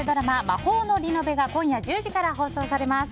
「魔法のリノベ」が今夜１０時から放送されます。